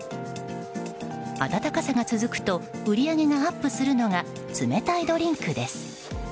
暖かさが続くと売り上げがアップするのが冷たいドリンクです。